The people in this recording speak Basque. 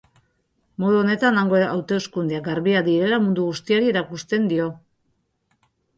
Modu honetan, hango hauteskundeak garbiak direla mundu guztiari erakusten dio.